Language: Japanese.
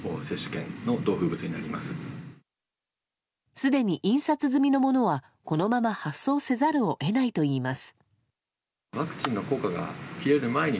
すでに印刷済みのものはこのまま発送せざるを得ないといいます。